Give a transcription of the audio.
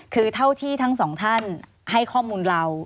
คือเท่าที่ทั้งสองท่านให้ข้อมูลเรา